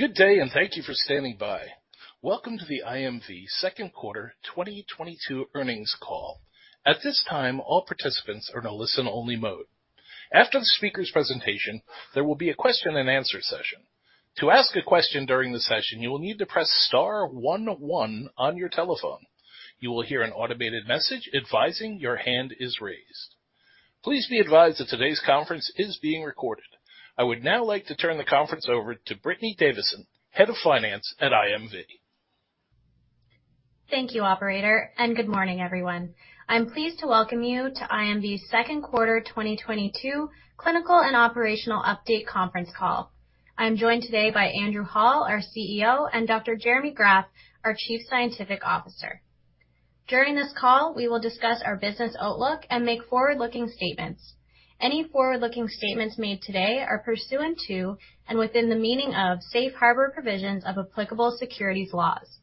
Good day, and thank you for standing by. Welcome to the IMV second quarter 2022 earnings call. At this time, all participants are in a listen-only mode. After the speaker's presentation, there will be a question-and-answer session. To ask a question during the session, you will need to press star one one on your telephone. You will hear an automated message advising your hand is raised. Please be advised that today's conference is being recorded. I would now like to turn the conference over to Brittany Davison, Head of Finance at IMV. Thank you, operator, and good morning, everyone. I'm pleased to welcome you to IMV's second quarter 2022 clinical and operational update conference call. I'm joined today by Andrew Hall, our CEO, and Dr. Jeremy Graff, our Chief Scientific Officer. During this call, we will discuss our business outlook and make forward-looking statements. Any forward-looking statements made today are pursuant to, and within the meaning of, safe harbor provisions of applicable securities laws.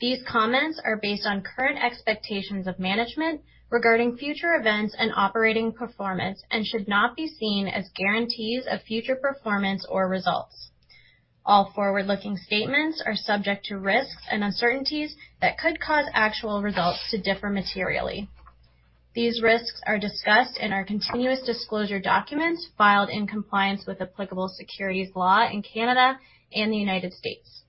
These comments are based on current expectations of management regarding future events and operating performance and should not be seen as guarantees of future performance or results. All forward-looking statements are subject to risks and uncertainties that could cause actual results to differ materially. These risks are discussed in our continuous disclosure documents filed in compliance with applicable securities law in Canada and the United States.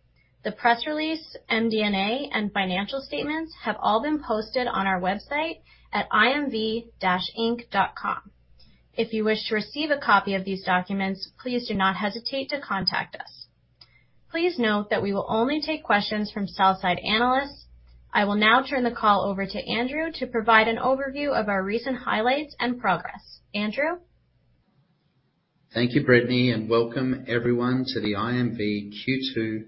The press release, MD&A, and financial statements have all been posted on our website at imv-inc.com. If you wish to receive a copy of these documents, please do not hesitate to contact us. Please note that we will only take questions from sell-side analysts. I will now turn the call over to Andrew to provide an overview of our recent highlights and progress. Andrew? Thank you, Brittany, and welcome everyone to the IMV Q2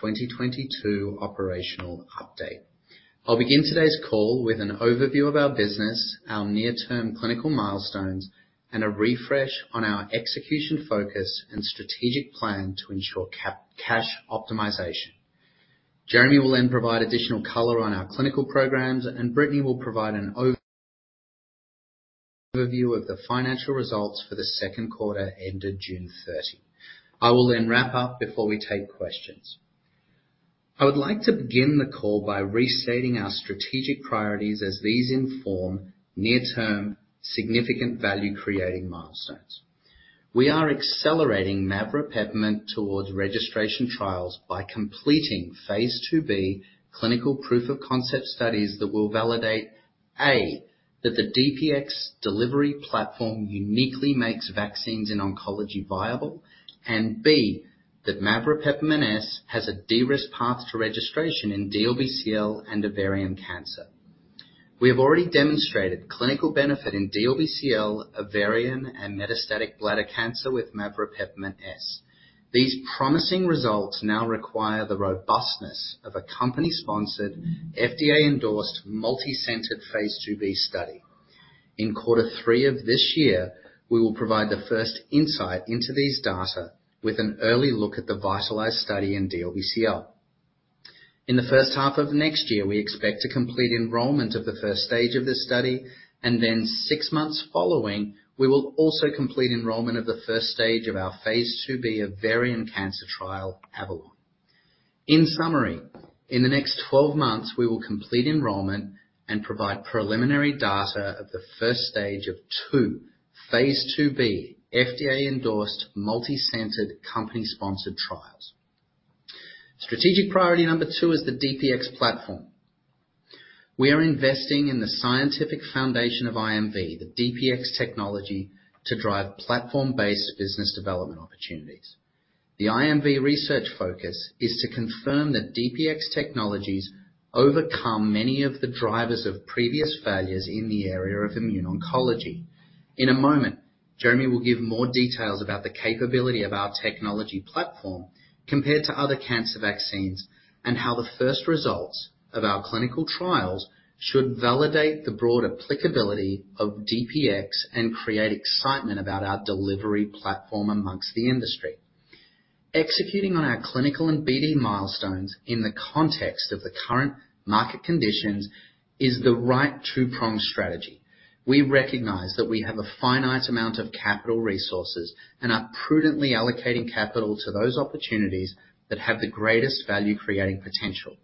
2022 operational update. I'll begin today's call with an overview of our business, our near-term clinical milestones, and a refresh on our execution focus and strategic plan to ensure cash optimization. Jeremy will then provide additional color on our clinical programs, and Brittany will provide an overview of the financial results for the second quarter ended June 30. I will then wrap up before we take questions. I would like to begin the call by restating our strategic priorities as these inform near-term significant value-creating milestones. We are accelerating maveropepimut-S towards registration trials by completing phase II-B clinical proof of concept studies that will validate, A, that the DPX delivery platform uniquely makes vaccines in oncology viable, and B, that maveropepimut-S has a de-risk path to registration in DLBCL and ovarian cancer. We have already demonstrated clinical benefit in DLBCL, ovarian, and metastatic bladder cancer with maveropepimut-S. These promising results now require the robustness of a company-sponsored, FDA-endorsed, multi-centered phase II-B study. In quarter three of this year, we will provide the first insight into these data with an early look at the VITALIZE study in DLBCL. In the first half of next year, we expect to complete enrollment of the first stage of this study, and then six months following, we will also complete enrollment of the first stage of our phase II-B ovarian cancer trial, AVALON. In summary, in the next 12 months, we will complete enrollment and provide preliminary data of the first stage of two phase II-B FDA-endorsed multi-centered company-sponsored trials. Strategic priority number two is the DPX platform. We are investing in the scientific foundation of IMV, the DPX technology, to drive platform-based business development opportunities. The IMV research focus is to confirm that DPX technologies overcome many of the drivers of previous failures in the area of immune oncology. In a moment, Jeremy will give more details about the capability of our technology platform compared to other cancer vaccines, and how the first results of our clinical trials should validate the broad applicability of DPX and create excitement about our delivery platform amongst the industry. Executing on our clinical and BD milestones in the context of the current market conditions is the right two-pronged strategy. We recognize that we have a finite amount of capital resources and are prudently allocating capital to those opportunities that have the greatest value-creating potential.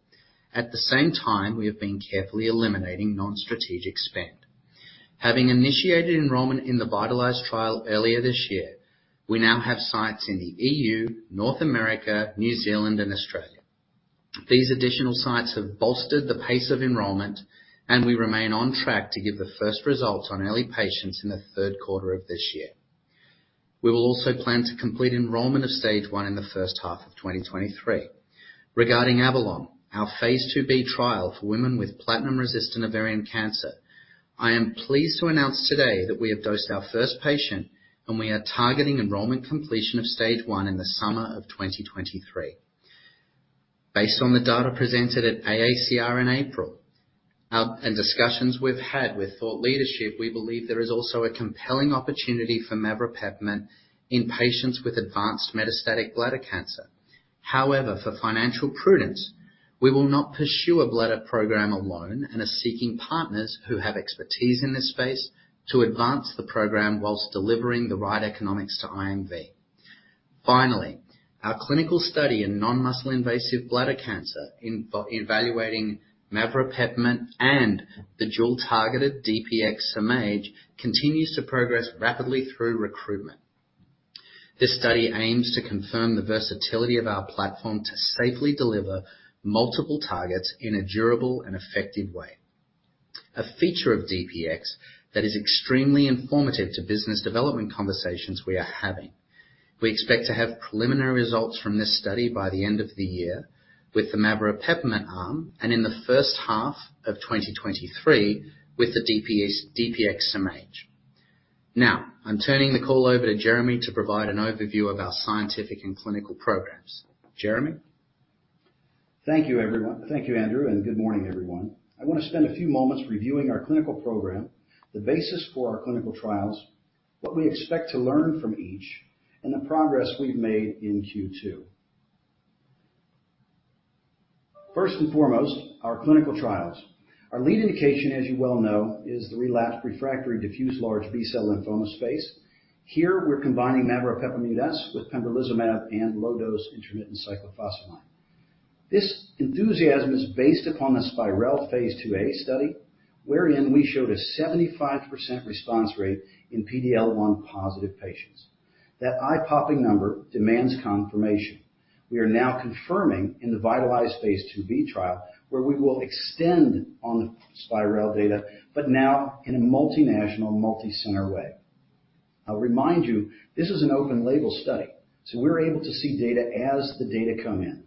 At the same time, we have been carefully eliminating non-strategic spend. Having initiated enrollment in the VITALIZE trial earlier this year, we now have sites in the E.U., North America, New Zealand, and Australia. These additional sites have bolstered the pace of enrollment, and we remain on track to give the first results on early patients in the third quarter of this year. We will also plan to complete enrollment of stage 1 in the first half of 2023. Regarding AVALON, our phase II-B trial for women with platinum-resistant ovarian cancer, I am pleased to announce today that we have dosed our first patient, and we are targeting enrollment completion of stage 1 in the summer of 2023. Based on the data presented at AACR in April, and discussions we've had with thought leaders, we believe there is also a compelling opportunity for maveropepimut-S in patients with advanced metastatic bladder cancer. However, for financial prudence, we will not pursue a bladder program alone and are seeking partners who have expertise in this space to advance the program whilst delivering the right economics to IMV. Finally, our clinical study in non-muscle invasive bladder cancer evaluating maveropepimut-S and the dual-targeted DPX-SurMAGE continues to progress rapidly through recruitment. This study aims to confirm the versatility of our platform to safely deliver multiple targets in a durable and effective way. A feature of DPX that is extremely informative to business development conversations we are having. We expect to have preliminary results from this study by the end of the year with the maveropepimut-S arm and in the first half of 2023 with the DPX-SurMAGE. Now, I'm turning the call over to Jeremy to provide an overview of our scientific and clinical programs. Jeremy. Thank you, everyone. Thank you, Andrew, and good morning, everyone. I want to spend a few moments reviewing our clinical program, the basis for our clinical trials, what we expect to learn from each, and the progress we've made in Q2. First and foremost, our clinical trials. Our lead indication, as you well know, is the relapsed refractory diffuse large B-cell lymphoma space. Here, we're combining maveropepimut-S with pembrolizumab and low-dose intermittent cyclophosphamide. This enthusiasm is based upon the SPiReL phase II-A study, wherein we showed a 75% response rate in PD-L1 positive patients. That eye-popping number demands confirmation. We are now confirming in the VITALIZE phase II-B trial where we will extend on the SPiReL data, but now in a multinational, multi-center way. I'll remind you, this is an open label study, so we're able to see data as the data come in.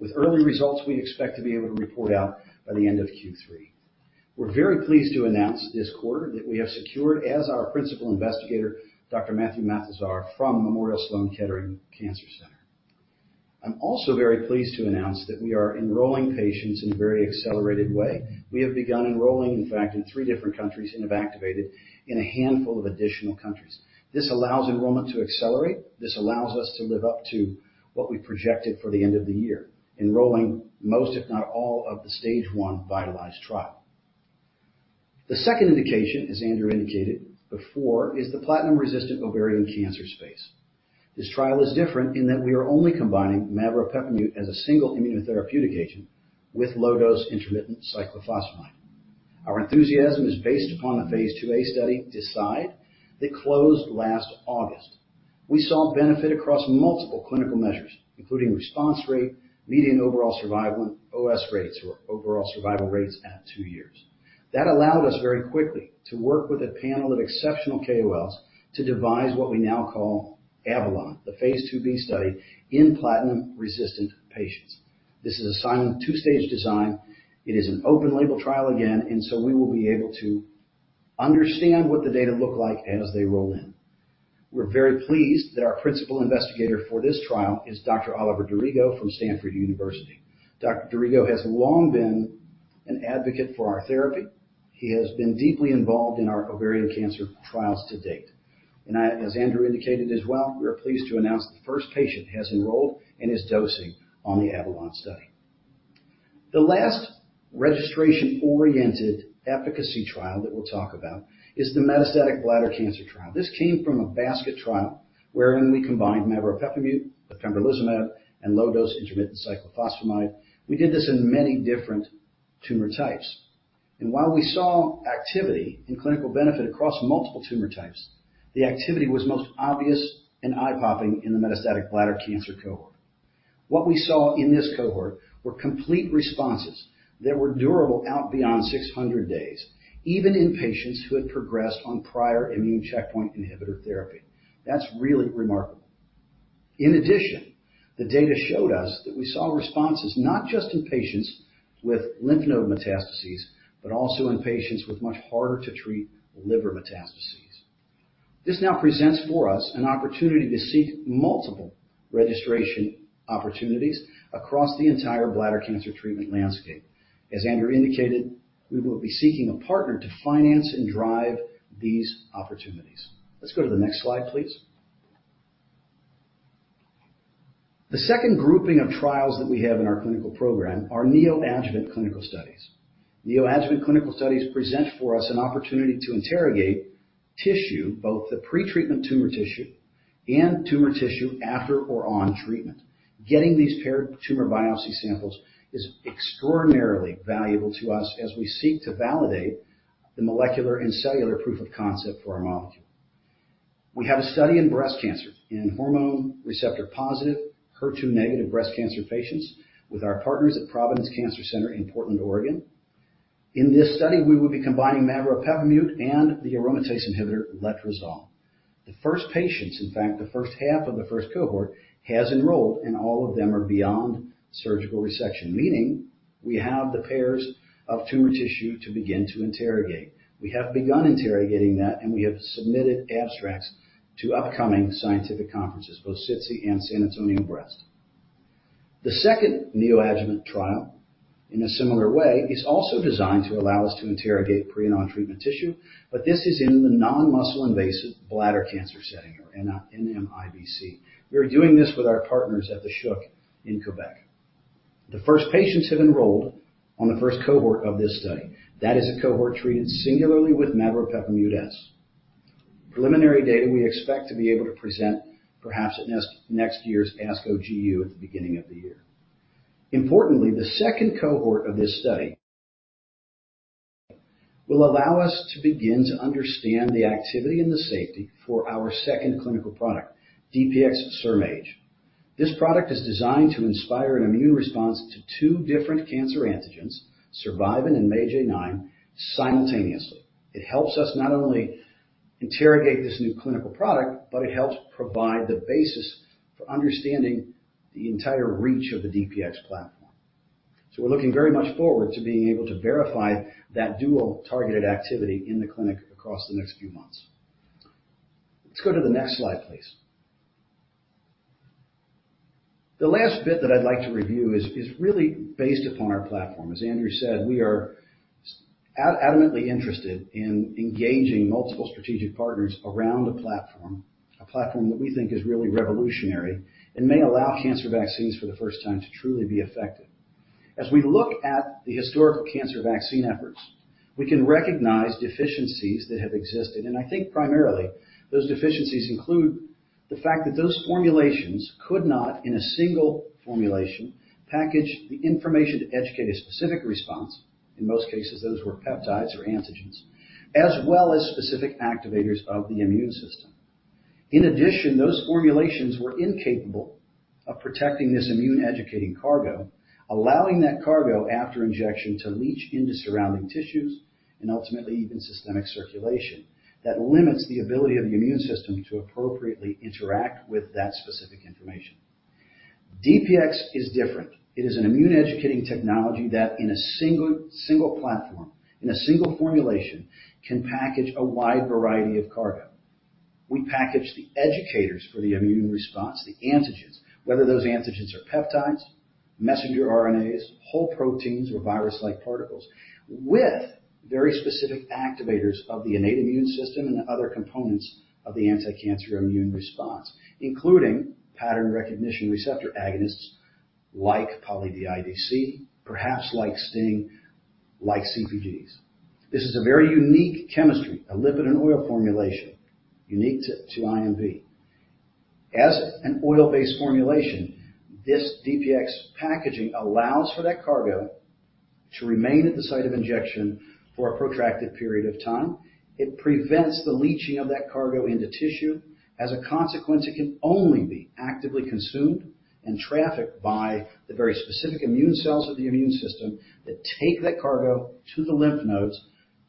With early results, we expect to be able to report out by the end of Q3. We're very pleased to announce this quarter that we have secured as our principal investigator, Dr. Matthew Matasar from Memorial Sloan Kettering Cancer Center. I'm also very pleased to announce that we are enrolling patients in a very accelerated way. We have begun enrolling, in fact, in three different countries and have activated in a handful of additional countries. This allows enrollment to accelerate. This allows us to live up to what we projected for the end of the year, enrolling most, if not all, of the Stage 1 VITALIZE trial. The second indication, as Andrew indicated before, is the platinum-resistant ovarian cancer space. This trial is different in that we are only combining maveropepimut-S as a single immunotherapeutic agent with low-dose intermittent cyclophosphamide. Our enthusiasm is based upon the phase II-A study, DeCidE1, that closed last August. We saw benefit across multiple clinical measures, including response rate, median overall survival, OS rates or overall survival rates at two years. That allowed us very quickly to work with a panel of exceptional KOLs to devise what we now call AVALON, the phase II-B study in platinum-resistant patients. This is a Simon two-stage design. It is an open label trial again, and so we will be able to understand what the data look like as they roll in. We're very pleased that our principal investigator for this trial is Dr. Oliver Dorigo from Stanford University. Dr. Dorigo has long been an advocate for our therapy. He has been deeply involved in our ovarian cancer trials to date. As Andrew indicated as well, we are pleased to announce the first patient has enrolled and is dosing on the AVALON study. The last registration-oriented efficacy trial that we'll talk about is the metastatic bladder cancer trial. This came from a basket trial wherein we combined maveropepimut-S with pembrolizumab and low-dose intermittent cyclophosphamide. We did this in many different tumor types. While we saw activity and clinical benefit across multiple tumor types, the activity was most obvious and eye-popping in the metastatic bladder cancer cohort. What we saw in this cohort were complete responses that were durable out beyond 600 days, even in patients who had progressed on prior immune checkpoint inhibitor therapy. That's really remarkable. In addition, the data showed us that we saw responses not just in patients with lymph node metastases, but also in patients with much harder to treat liver metastases. This now presents for us an opportunity to seek multiple registration opportunities across the entire bladder cancer treatment landscape. As Andrew indicated, we will be seeking a partner to finance and drive these opportunities. Let's go to the next slide, please. The second grouping of trials that we have in our clinical program are neoadjuvant clinical studies. Neoadjuvant clinical studies present for us an opportunity to interrogate tissue, both the pretreatment tumor tissue and tumor tissue after or on treatment. Getting these paired tumor biopsy samples is extraordinarily valuable to us as we seek to validate the molecular and cellular proof of concept for our molecule. We have a study in breast cancer, in hormone receptor positive, HER2 negative breast cancer patients with our partners at Providence Cancer Institute in Portland, Oregon. In this study, we will be combining maveropepimut-S and the aromatase inhibitor letrozole. The first patients, in fact, the first half of the first cohort has enrolled, and all of them are beyond surgical resection, meaning we have the pairs of tumor tissue to begin to interrogate. We have begun interrogating that, and we have submitted abstracts to upcoming scientific conferences, both SITC and San Antonio Breast. The second neoadjuvant trial. In a similar way, it's also designed to allow us to interrogate pre and on-treatment tissue, but this is in the non-muscle invasive bladder cancer setting or NMIBC. We are doing this with our partners at the CHU de Québec. The first patients have enrolled on the first cohort of this study. That is a cohort treated singularly with maveropepimut-S. Preliminary data we expect to be able to present perhaps at next year's ASCO GU at the beginning of the year. Importantly, the second cohort of this study will allow us to begin to understand the activity and the safety for our second clinical product, DPX-SurMAGE. This product is designed to inspire an immune response to two different cancer antigens, survivin and MAGE-A9, simultaneously. It helps us not only interrogate this new clinical product, but it helps provide the basis for understanding the entire reach of the DPX platform. We're looking very much forward to being able to verify that dual targeted activity in the clinic across the next few months. Let's go to the next slide, please. The last bit that I'd like to review is really based upon our platform. As Andrew said, we are adamantly interested in engaging multiple strategic partners around a platform, a platform that we think is really revolutionary and may allow cancer vaccines for the first time to truly be effective. As we look at the historical cancer vaccine efforts, we can recognize deficiencies that have existed. I think primarily those deficiencies include the fact that those formulations could not, in a single formulation, package the information to educate a specific response, in most cases, those were peptides or antigens, as well as specific activators of the immune system. In addition, those formulations were incapable of protecting this immune educating cargo, allowing that cargo, after injection, to leach into surrounding tissues and ultimately even systemic circulation. That limits the ability of the immune system to appropriately interact with that specific information. DPX is different. It is an immune educating technology that in a single platform, in a single formulation, can package a wide variety of cargo. We package the educators for the immune response, the antigens, whether those antigens are peptides, messenger RNAs, whole proteins, or virus-like particles, with very specific activators of the innate immune system and other components of the anticancer immune response, including pattern recognition receptor agonists like poly(dI:dC), perhaps like STING, like CpGs. This is a very unique chemistry, a lipid and oil formulation unique to IMV. As an oil-based formulation, this DPX packaging allows for that cargo to remain at the site of injection for a protracted period of time. It prevents the leaching of that cargo into tissue. As a consequence, it can only be actively consumed and trafficked by the very specific immune cells of the immune system that take that cargo to the lymph nodes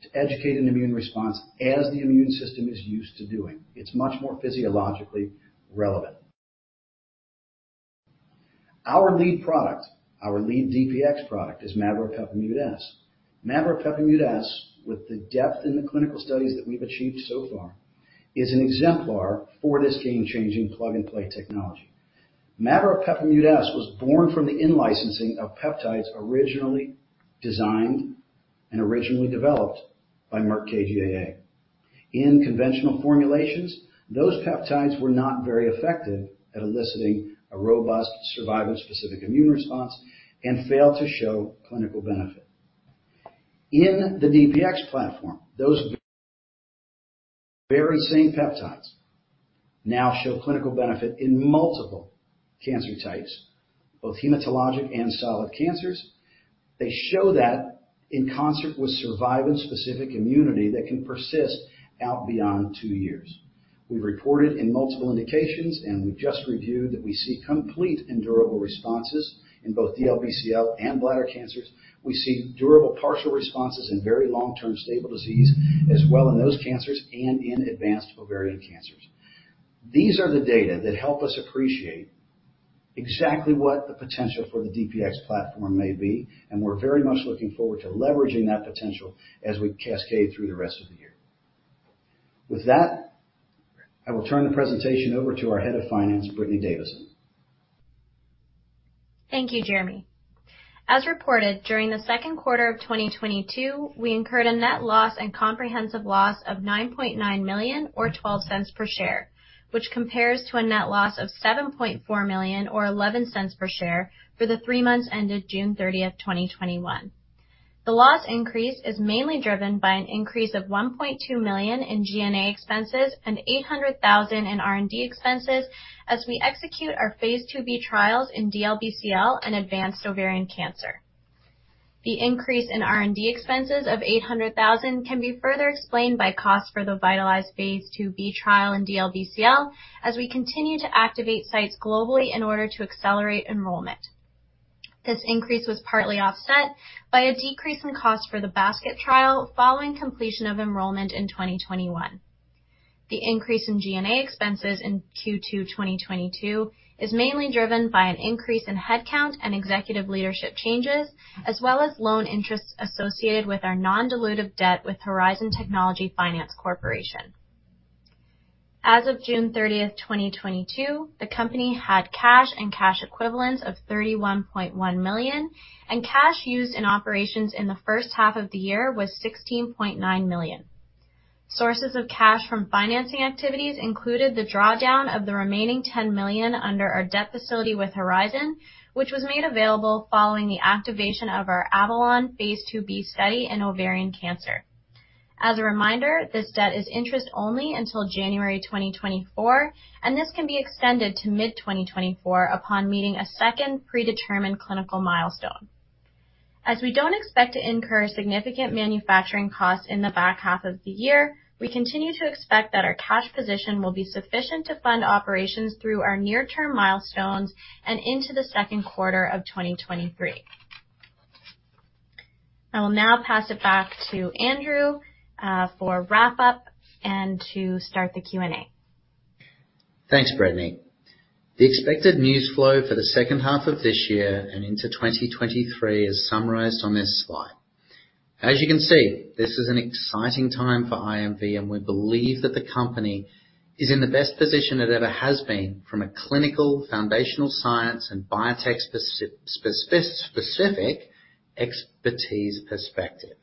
to educate an immune response as the immune system is used to doing. It's much more physiologically relevant. Our lead product, our lead DPX product is maveropepimut-S. Maveropepimut-S, with the depth in the clinical studies that we've achieved so far, is an exemplar for this game-changing plug-and-play technology. Maveropepimut-S was born from the in-licensing of peptides originally designed and originally developed by Merck KGaA. In conventional formulations, those peptides were not very effective at eliciting a robust survivin specific immune response and failed to show clinical benefit. In the DPX platform, those very same peptides now show clinical benefit in multiple cancer types, both hematologic and solid cancers. They show that in concert with survivin specific immunity that can persist out beyond two years. We've reported in multiple indications, and we've just reviewed that we see complete and durable responses in both DLBCL and bladder cancers. We see durable partial responses in very long-term stable disease as well in those cancers and in advanced ovarian cancers. These are the data that help us appreciate exactly what the potential for the DPX platform may be, and we're very much looking forward to leveraging that potential as we cascade through the rest of the year. With that, I will turn the presentation over to our Head of Finance, Brittany Davison. Thank you, Jeremy. As reported, during the second quarter of 2022, we incurred a net loss and comprehensive loss of 9.9 million or 0.12 per share, which compares to a net loss of 7.4 million or 0.11 per share for the three months ended June 30th, 2021. The loss increase is mainly driven by an increase of 1.2 million in G&A expenses and 800 thousand in R&D expenses as we execute our phase II-B trials in DLBCL and advanced ovarian cancer. The increase in R&D expenses of 800 thousand can be further explained by cost for the VITALIZE phase II-B trial in DLBCL as we continue to activate sites globally in order to accelerate enrollment. This increase was partly offset by a decrease in cost for the Basket trial following completion of enrollment in 2021. The increase in G&A expenses in Q2 2022 is mainly driven by an increase in headcount and executive leadership changes, as well as loan interests associated with our non-dilutive debt with Horizon Technology Finance Corporation. As of June 30th, 2022, the company had cash and cash equivalents of 31.1 million, and cash used in operations in the first half of the year was 16.9 million. Sources of cash from financing activities included the drawdown of the remaining 10 million under our debt facility with Horizon, which was made available following the activation of our Avalon phase II-B study in ovarian cancer. As a reminder, this debt is interest only until January 2024, and this can be extended to mid-2024 upon meeting a second predetermined clinical milestone. As we don't expect to incur significant manufacturing costs in the back half of the year, we continue to expect that our cash position will be sufficient to fund operations through our near-term milestones and into the second quarter of 2023. I will now pass it back to Andrew, for wrap-up and to start the Q&A. Thanks, Brittany. The expected news flow for the second half of this year and into 2023 is summarized on this slide. As you can see, this is an exciting time for IMV, and we believe that the company is in the best position it ever has been from a clinical, foundational science and biotech specific expertise perspective.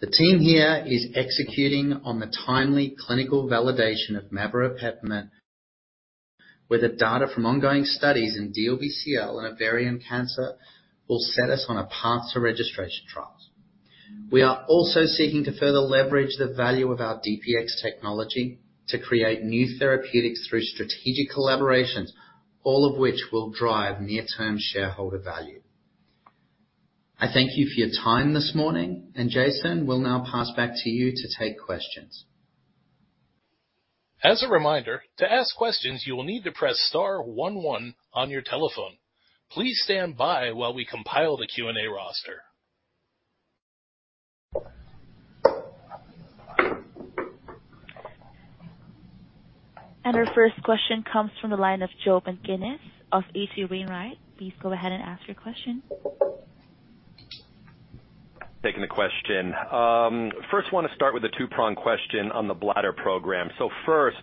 The team here is executing on the timely clinical validation of maveropepimut-S, where the data from ongoing studies in DLBCL and ovarian cancer will set us on a path to registration trials. We are also seeking to further leverage the value of our DPX technology to create new therapeutics through strategic collaborations, all of which will drive near-term shareholder value. I thank you for your time this morning, and Jason, we'll now pass back to you to take questions. As a reminder, to ask questions, you will need to press star one one on your telephone. Please stand by while we compile the Q&A roster. Our first question comes from the line of Joe Pantginis of H.C. Wainwright. Please go ahead and ask your question. Taking the question. First, wanna start with a two-prong question on the bladder program. First,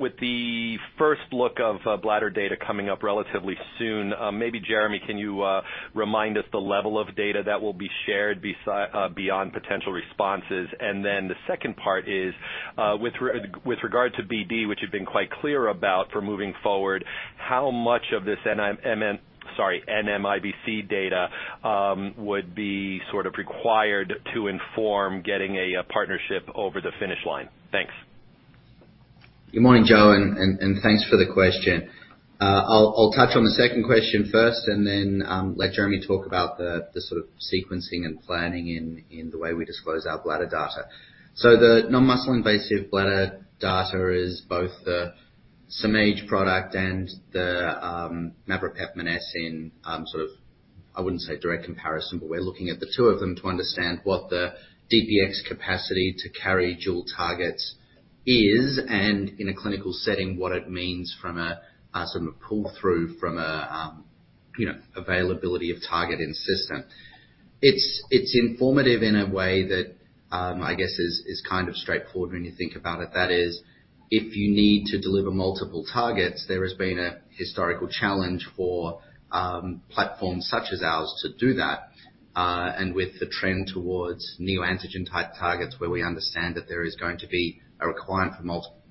with the first look of bladder data coming up relatively soon, maybe Jeremy, can you remind us the level of data that will be shared beyond potential responses? Then the second part is, with regard to BD, which you've been quite clear about for moving forward, how much of this NMIBC data would be sort of required to inform getting a partnership over the finish line? Thanks. Good morning, Joe, and thanks for the question. I'll touch on the second question first and then let Jeremy talk about the sort of sequencing and planning in the way we disclose our bladder data. The non-muscle invasive bladder cancer data is both the SurMage product and the maveropepimut-S in sort of, I wouldn't say direct comparison, but we're looking at the two of them to understand what the DPX capacity to carry dual targets is, and in a clinical setting, what it means from a sort of pull-through from a you know, availability of target in system. It's informative in a way that I guess is kind of straightforward when you think about it. That is, if you need to deliver multiple targets, there has been a historical challenge for platforms such as ours to do that. With the trend towards neoantigen-type targets where we understand that there is going to be a requirement for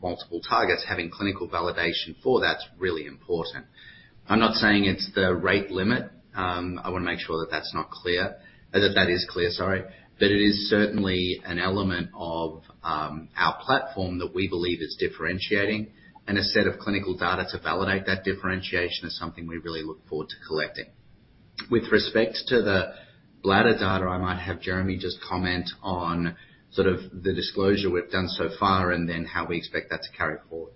multiple targets, having clinical validation for that's really important. I'm not saying it's the rate limit. I wanna make sure that that is clear, sorry. It is certainly an element of our platform that we believe is differentiating, and a set of clinical data to validate that differentiation is something we really look forward to collecting. With respect to the bladder data, I might have Jeremy just comment on sort of the disclosure we've done so far and then how we expect that to carry forward.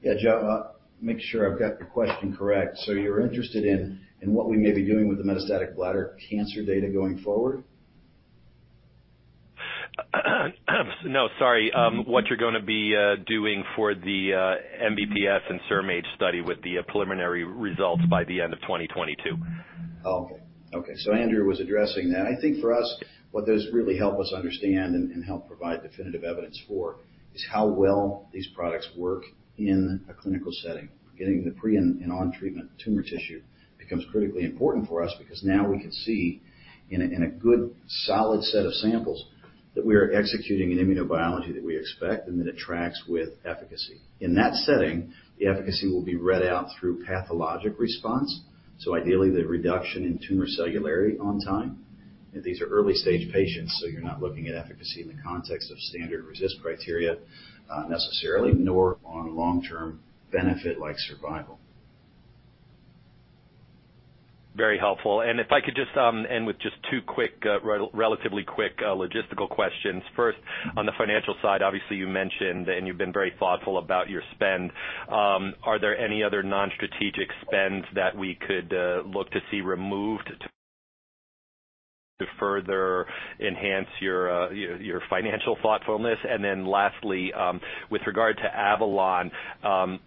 Yeah, Joe, make sure I've got the question correct. You're interested in what we may be doing with the metastatic bladder cancer data going forward? No, sorry. What you're gonna be doing for the NMIBC and SurMage study with the preliminary results by the end of 2022. Okay. Andrew was addressing that. I think for us, what those really help us understand and help provide definitive evidence for is how well these products work in a clinical setting. Getting the pre and on-treatment tumor tissue becomes critically important for us because now we can see in a good solid set of samples that we are executing an immunobiology that we expect and that it tracks with efficacy. In that setting, the efficacy will be read out through pathologic response, so ideally the reduction in tumor cellularity on time. These are early-stage patients, so you're not looking at efficacy in the context of standard RECIST criteria, necessarily, nor on long-term benefit like survival. Very helpful. If I could just end with just two quick, relatively quick, logistical questions. First, on the financial side, obviously you mentioned and you've been very thoughtful about your spend. Are there any other non-strategic spends that we could look to see removed to further enhance your financial thoughtfulness? Lastly, with regard to Avalon,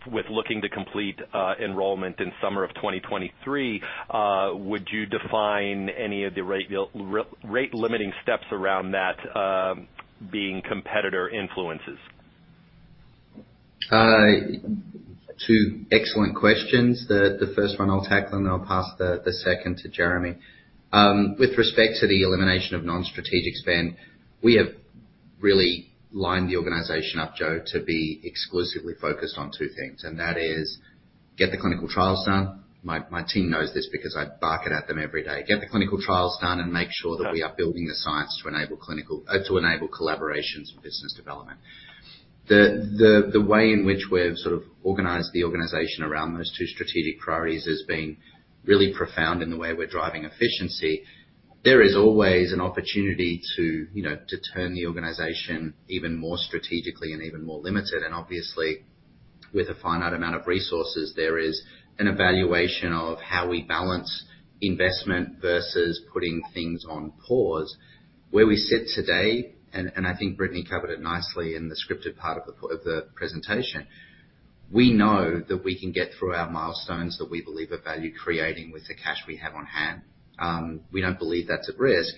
with looking to complete enrollment in summer of 2023, would you define any of the rate-limiting steps around that, being competitor influences? Two excellent questions. The first one I'll tackle, and then I'll pass the second to Jeremy. With respect to the elimination of non-strategic spend, we have really lined the organization up, Joe, to be exclusively focused on two things, and that is get the clinical trials done. My team knows this because I bark it at them every day. Get the clinical trials done and make sure that we are building the science to enable collaborations for business development. The way in which we've sort of organized the organization around those two strategic priorities has been really profound in the way we're driving efficiency. There is always an opportunity to, you know, to turn the organization even more strategically and even more limited. Obviously, with a finite amount of resources, there is an evaluation of how we balance investment versus putting things on pause. Where we sit today, and I think Brittany covered it nicely in the scripted part of the presentation. We know that we can get through our milestones that we believe are value-creating with the cash we have on hand. We don't believe that's at risk,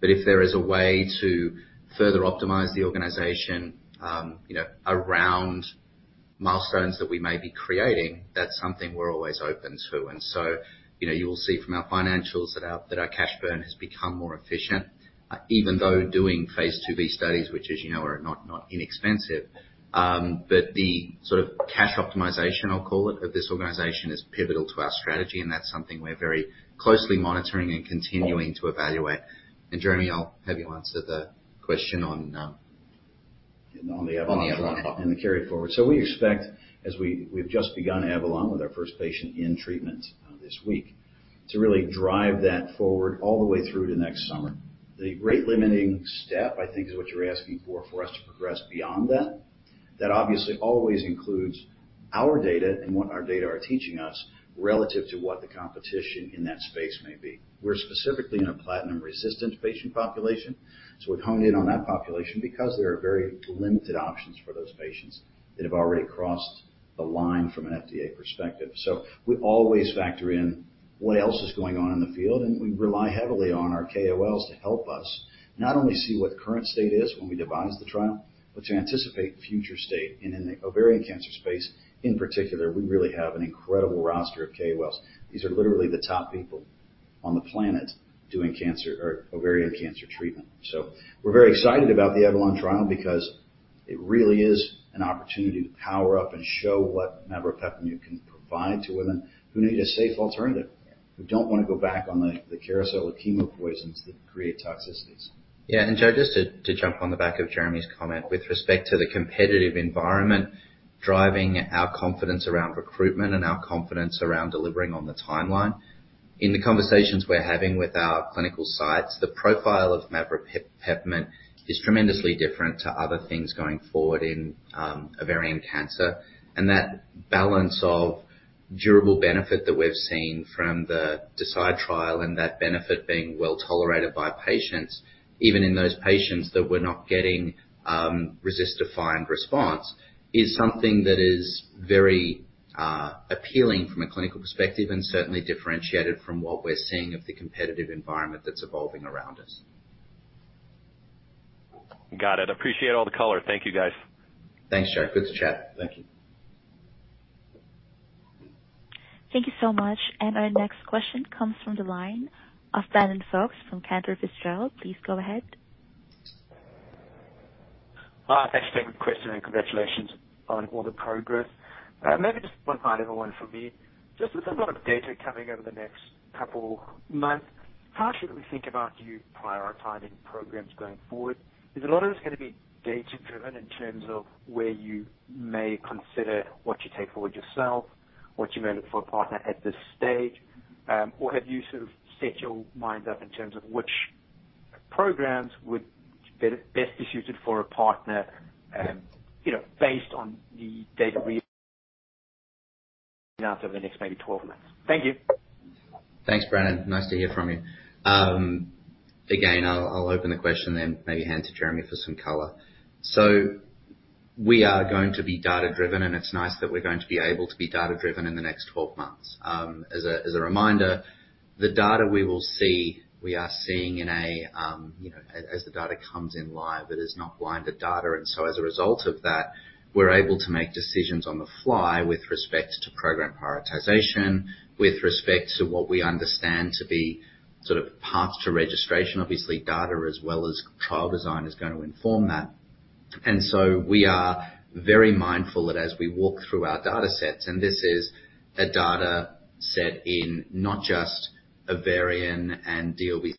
but if there is a way to further optimize the organization, you know, around milestones that we may be creating, that's something we're always open to. You know, you will see from our financials that our cash burn has become more efficient, even though doing phase II-B studies, which, as you know, are not inexpensive. The sort of cash optimization, I'll call it, of this organization is pivotal to our strategy, and that's something we're very closely monitoring and continuing to evaluate. Jeremy, I'll have you answer the question on- On the AVALON trial. On the AVALON trial. The carry forward. We expect as we've just begun Avalon with our first patient in treatment, this week, to really drive that forward all the way through to next summer. The rate limiting step, I think, is what you're asking for us to progress beyond that. That obviously always includes our data and what our data are teaching us relative to what the competition in that space may be. We're specifically in a platinum-resistant patient population, so we've honed in on that population because there are very limited options for those patients that have already crossed the line from an FDA perspective. We always factor in what else is going on in the field, and we rely heavily on our KOLs to help us not only see what the current state is when we devise the trial, but to anticipate future state. In the ovarian cancer space in particular, we really have an incredible roster of KOLs. These are literally the top people on the planet doing cancer or ovarian cancer treatment. We're very excited about the AVALON trial because it really is an opportunity to power up and show what maveropepimut-S can provide to women who need a safe alternative. Yeah. Who don't wanna go back on the carousel of chemo poisons that create toxicities? Yeah. Joe, just to jump on the back of Jeremy's comment with respect to the competitive environment, driving our confidence around recruitment and our confidence around delivering on the timeline. In the conversations we're having with our clinical sites, the profile of maveropepimut-S is tremendously different to other things going forward in ovarian cancer. That balance of durable benefit that we've seen from the DeCidE1 trial and that benefit being well-tolerated by patients, even in those patients that we're not getting RECIST-defined response, is something that is very appealing from a clinical perspective and certainly differentiated from what we're seeing of the competitive environment that's evolving around us. Got it. Appreciate all the color. Thank you, guys. Thanks, Joe. Good to chat. Thank you. Thank you so much. Our next question comes from the line of Brandon Folkes from Cantor Fitzgerald. Please go ahead. Thanks for taking the question, and congratulations on all the progress. Maybe just one final one from me. Just with a lot of data coming over the next couple months, how should we think about you prioritizing programs going forward? Is a lot of this gonna be data-driven in terms of where you may consider what you take forward yourself, what you may look for a partner at this stage? Have you sort of set your mind up in terms of which programs would be best suited for a partner, you know, based on the data we've Now to the next maybe 12 months. Thank you. Thanks, Brandon. Nice to hear from you. Again, I'll open the question then maybe hand to Jeremy for some color. We are going to be data-driven, and it's nice that we're going to be able to be data-driven in the next 12 months. As a reminder, the data we will see, we are seeing as the data comes in live. It is not blinded data, and so as a result of that, we're able to make decisions on the fly with respect to program prioritization, with respect to what we understand to be sort of paths to registration. Obviously, data as well as trial design is going to inform that. We are very mindful that as we walk through our data sets, and this is a data set in not just ovarian and DLBCL,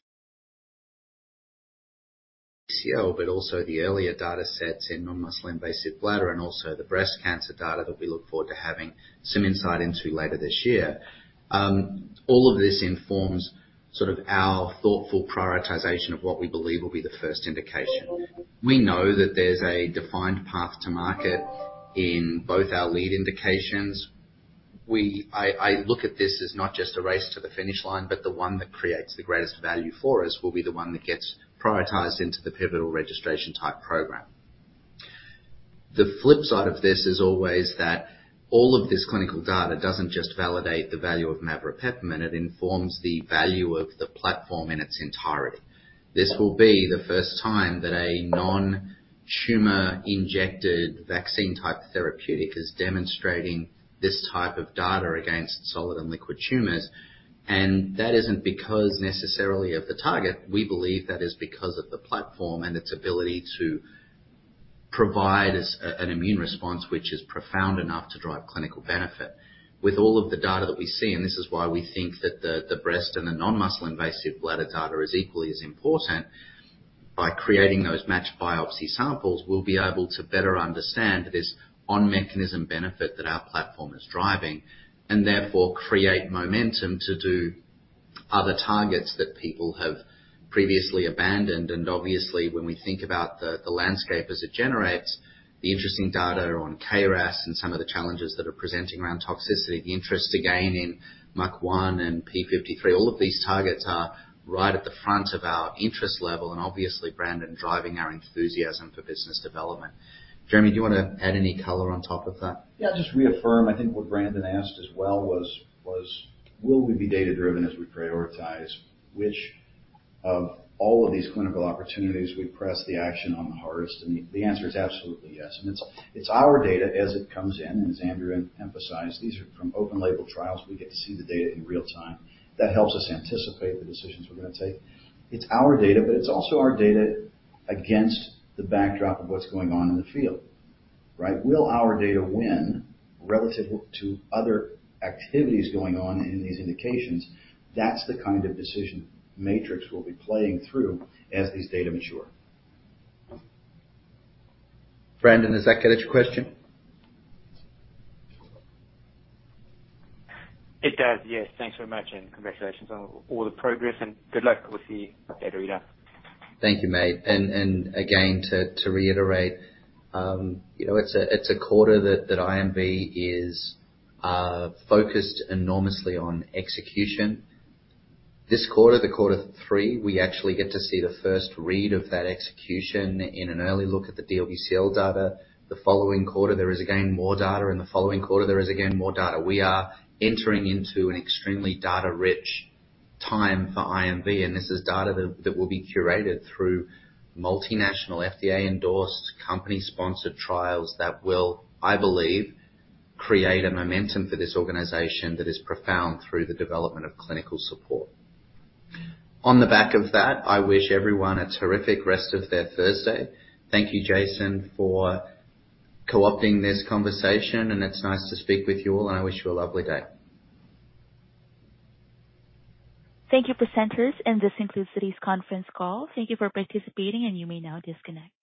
but also the earlier data sets in non-muscle invasive bladder and also the breast cancer data that we look forward to having some insight into later this year. All of this informs sort of our thoughtful prioritization of what we believe will be the first indication. We know that there's a defined path to market in both our lead indications. I look at this as not just a race to the finish line, but the one that creates the greatest value for us will be the one that gets prioritized into the pivotal registration type program. The flip side of this is always that all of this clinical data doesn't just validate the value of maveropepimut-S, it informs the value of the platform in its entirety. This will be the first time that a non-tumor injected vaccine type therapeutic is demonstrating this type of data against solid and liquid tumors, and that isn't because necessarily of the target. We believe that is because of the platform and its ability to provide an immune response which is profound enough to drive clinical benefit. With all of the data that we see, and this is why we think that the breast and the non-muscle invasive bladder data is equally as important, by creating those matched biopsy samples, we'll be able to better understand this on-mechanism benefit that our platform is driving, and therefore create momentum to do other targets that people have previously abandoned. Obviously, when we think about the landscape as it generates the interesting data on KRAS and some of the challenges that are presenting around toxicity, the interest again in MUC1 and p53, all of these targets are right at the front of our interest level and obviously, Brandon, driving our enthusiasm for business development. Jeremy, do you wanna add any color on top of that? Yeah, just reaffirm. I think what Brandon asked as well was will we be data-driven as we prioritize which of all of these clinical opportunities we press the action on the hardest? The answer is absolutely yes. It's our data as it comes in, and as Andrew emphasized, these are from open label trials. We get to see the data in real time. That helps us anticipate the decisions we're gonna take. It's our data, but it's also our data against the backdrop of what's going on in the field, right? Will our data win relative to other activities going on in these indications? That's the kind of decision matrix we'll be playing through as these data mature. Brandon, does that get at your question? It does, yes. Thanks very much, and congratulations on all the progress and good luck with the. Thank you, mate. Again, to reiterate, you know, it's a quarter that IMV is focused enormously on execution. This quarter, the quarter three, we actually get to see the first read of that execution in an early look at the DLBCL data. The following quarter, there is again more data. In the following quarter, there is again more data. We are entering into an extremely data rich time for IMV, and this is data that will be curated through multinational FDA endorsed company sponsored trials that will, I believe, create a momentum for this organization that is profound through the development of clinical support. On the back of that, I wish everyone a terrific rest of their Thursday. Thank you, Jason, for co-opting this conversation, and it's nice to speak with you all, and I wish you a lovely day. Thank you, presenters, and this concludes today's conference call. Thank you for participating, and you may now disconnect.